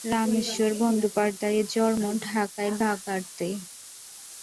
রামেশ্বর বন্দ্যোপাধ্যায়ের জন্ম ঢাকার বাঘড়াতে।